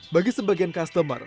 bagi sebagian customer